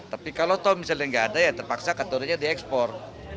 tapi kalau misalnya tidak ada ya terpaksa katodanya diekspor